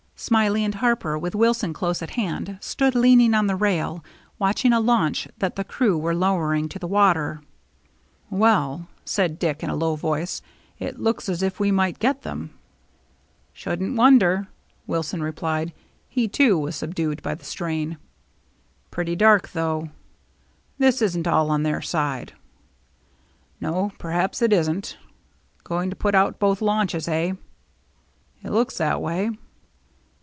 Smiley and Harper, with Wilson close at hand, stood leaning on the rail, watching a launch that the crew were lowering to the water. " Well," said Dick, in a low voice, " it looks as if we might get them." "Shouldn't wonder," Wilson replied. He, too, was subdued by the strain. "Pretty dark, though." "That isn't all on their side." "No, perhaps it isn't. Going to put out both launches, eh?" "It looks that way."